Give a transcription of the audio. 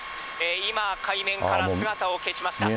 今、海面から姿を消しました。